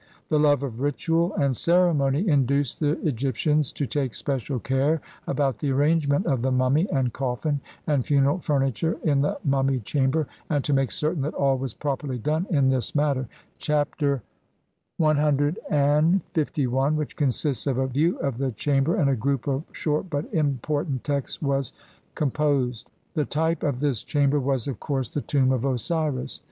The love of ritual and ceremony induced the Egyptians to take special care about the arrangement of the mummy, and coffin, and funeral furniture in the mummy chamber, and to make certain that all was properly done in this matter, Chapter CLI, which consists of a view of the chamber and a group of short but important texts, was com CLXXVIII INTRODUCTION. posed. The type of this chamber was, of course, the tomb of Osiris.